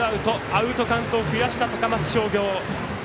アウトカウントを増やした高松商業。